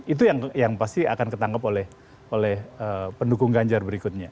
itu yang pasti akan ketangkep oleh pendukung ganjar berikutnya